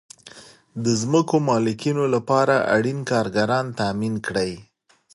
د ځمکو مالکینو لپاره اړین کارګران تامین کړئ.